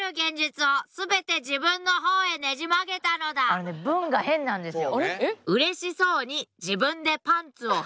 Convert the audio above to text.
あのね文が変なんですよ。